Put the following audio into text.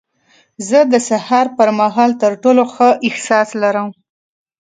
زه د سهار پر مهال تر ټولو ښه احساس لرم.